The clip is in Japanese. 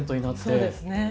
そうですね。